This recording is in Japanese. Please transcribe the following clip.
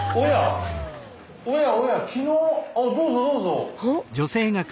あっどうぞどうぞ！